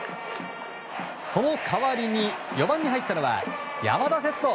その代わりに４番に入ったのは、山田哲人。